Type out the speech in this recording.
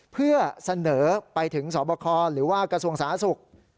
เพื่อเสนอไปถึงสบคหรือว่ากระทรวงสาธารณสุข